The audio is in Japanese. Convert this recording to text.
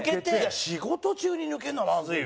仕事中に抜けるのはまずいよ。